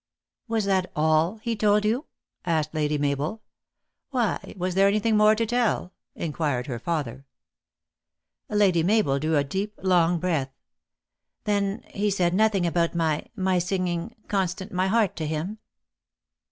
" Was that all he told you ?" asked Lady Mabel. "Why? Was there anything more to te!H" in quired her father. Lady Mabel drew a deep, long breath. " Then he said nothing about my my singing Constant my heart to him